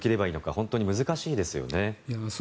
本当に難しいですよね。